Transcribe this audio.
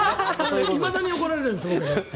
いまだに怒られるんです。